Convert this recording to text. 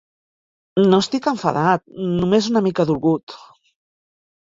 No estic enfadat, només una mica dolgut.